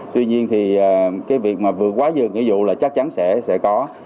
tuy nhiên thì cái việc vừa quá dường nghĩa dụ là chắc chắn sẽ có